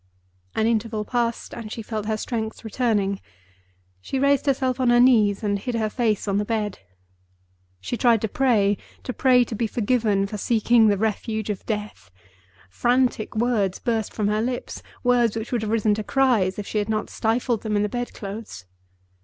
An interval passed, and she felt her strength returning. She raised herself on her knees and hid her face on the bed. She tried to pray—to pray to be forgiven for seeking the refuge of death. Frantic words burst from her lips—words which would have risen to cries, if she had not stifled them in the bed clothes.